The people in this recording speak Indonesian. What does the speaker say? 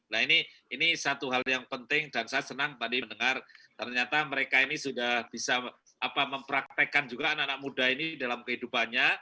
nah ini satu hal yang penting dan saya senang tadi mendengar ternyata mereka ini sudah bisa mempraktekkan juga anak anak muda ini dalam kehidupannya